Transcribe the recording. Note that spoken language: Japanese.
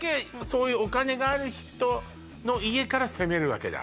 そういうお金がある人の家から攻めるわけだ？